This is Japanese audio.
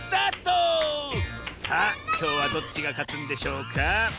さあきょうはどっちがかつんでしょうか？